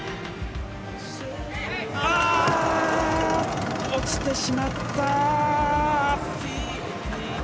あー、落ちてしまった。